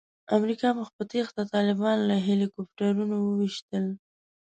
امریکا مخ په تېښته طالبان له هیلي کوپټرونو وویشتل.